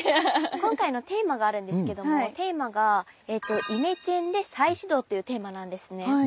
今回のテーマがあるんですけどもテーマが「イメチェンで再始動」っていうテーマなんですね。